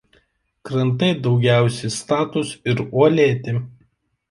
Krantai daugiausia statūs ir uolėti.